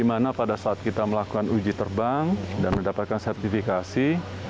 di mana pada saat kita melakukan uji terbang dan mendapatkan sertifikasi